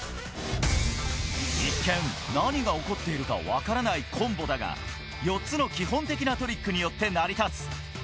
一見、何が起こっているかわからないコンボだが、４つの基本的なトリックによって成り立つ。